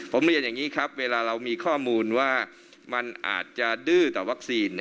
ผมเรียนอย่างนี้ครับเวลาเรามีข้อมูลว่ามันอาจจะดื้อต่อวัคซีน